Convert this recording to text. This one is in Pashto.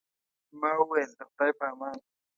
ما وویل، د خدای په امان.